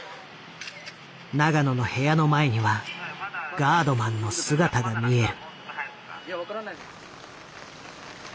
永野の部屋の前にはガードマンの姿が見える。